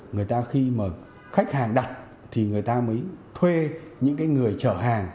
người ta khi mà khách hàng đặt thì người ta mới thuê những người chở hàng